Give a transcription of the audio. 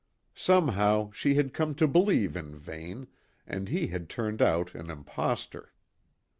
Somehow she had come to believe in Vane, and he had turned out an impostor.